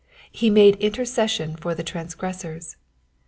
"He made intercession for the transgressors.'